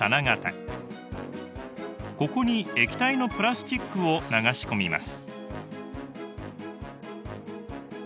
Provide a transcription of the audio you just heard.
ここに液体のプラスチックを流し込みます。